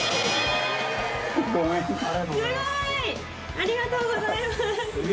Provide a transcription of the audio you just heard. ありがとうございます。